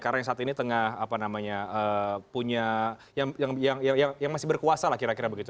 karena saat ini tengah apa namanya punya yang masih berkuasa lah kira kira begitu